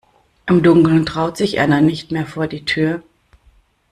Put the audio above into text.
Im Dunkeln traut sich Erna nicht mehr vor die Tür.